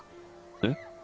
えっ？